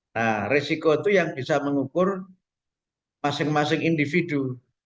nah risiko itu yang bisa mengukur masing masing individu